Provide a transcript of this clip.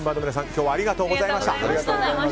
今日ありがとうございました。